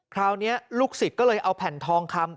คราวนี้ลูกศิษย์ก็เลยเอาแผ่นทองคำ